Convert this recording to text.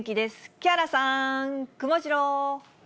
木原さん、くもジロー。